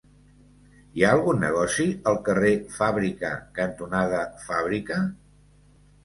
Hi ha algun negoci al carrer Fàbrica cantonada Fàbrica?